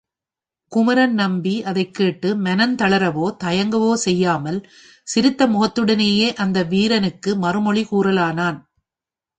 குமரன் நம்பி அதைக்கேட்டு மனந்தளரவோ தயங்கவோ செய்யாமல் சிரித்த முகத்துடனேயே அந்த வீரனுக்கு மறுமொழி கூறலானான்.